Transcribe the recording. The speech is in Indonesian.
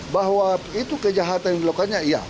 bahwa itu kejahatan yang dilakukannya iya